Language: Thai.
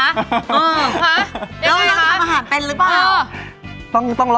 แล้วราคาอาหารเป็นหรือเปล่า